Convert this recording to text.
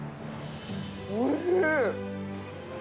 おいしい。